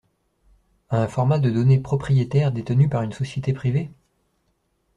à un format de données 'propriétaire' détenu par une société privée?